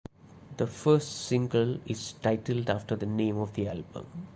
The first single is titled after the name of the album.